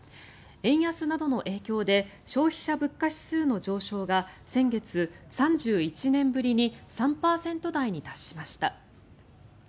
円安などの影響で消費者物価指数の上昇が先月、３１年ぶりに３％台に達しました。